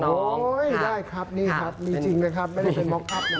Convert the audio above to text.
ได้ครับนี่ครับมีจริงนะครับไม่ได้มอกครับ